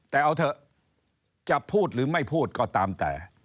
แต่เอาเถอะจะพูดหรือไม่พูดก็ตามแต่